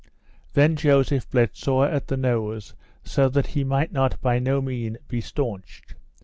Then Joseph bled sore at the nose, so that he might not by no mean be staunched.